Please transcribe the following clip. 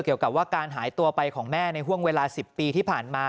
เกี่ยวกับว่าการหายตัวไปของแม่ในห่วงเวลา๑๐ปีที่ผ่านมา